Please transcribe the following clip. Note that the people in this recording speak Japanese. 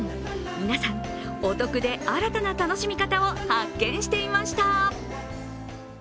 皆さんお得で新たな楽しみ方を発見していました。